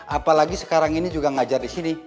apalagi sekarang ini juga ngajar disini